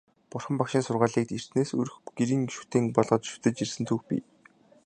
Бурхан Багшийн сургаалыг эртнээс өрх гэрийн шүтээн болгож шүтэж ирсэн түүх бий.